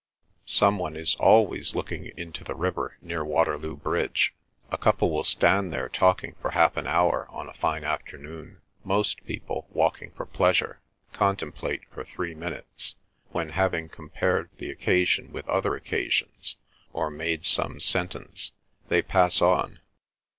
Some one is always looking into the river near Waterloo Bridge; a couple will stand there talking for half an hour on a fine afternoon; most people, walking for pleasure, contemplate for three minutes; when, having compared the occasion with other occasions, or made some sentence, they pass on.